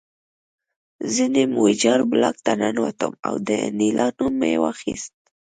زه نیم ویجاړ بلاک ته ننوتم او د انیلا نوم مې واخیست